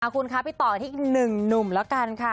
คุณค่ะไปต่อที่หนึ่งหนุ่มแล้วกันค่ะ